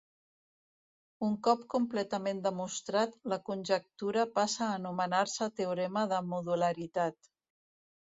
Un cop completament demostrat, la conjectura passa a anomenar-se teorema de modularitat.